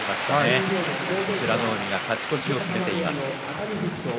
美ノ海が勝ち越しを決めています。